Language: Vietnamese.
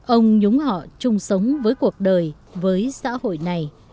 ông nhúng họ chung sống với cuộc đời với xã hội này